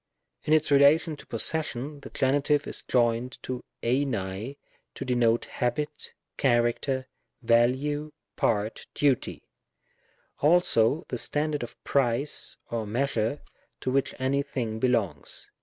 In its relation of possession, the Gen. is joined to tlvac to denote habit, character, value, part, duty; also the standard of price, or measure to which any thing belongs.